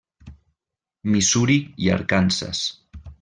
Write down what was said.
Missouri i Arkansas.